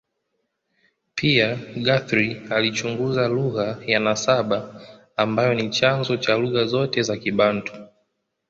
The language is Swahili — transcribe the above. Pia, Guthrie alichunguza lugha ya nasaba ambayo ni chanzo cha lugha zote za Kibantu.